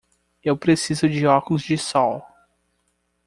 Eu preciso de óculos de sol.